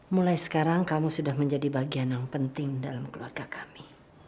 mulai sekarang kamu sudah menjadi bagian yang penting dalam keluarga kami